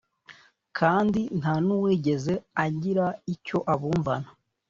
kandi nta n’uwigeze agira icyo abumvana!